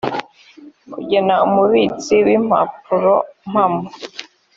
kugena umubitsi w impapurompamo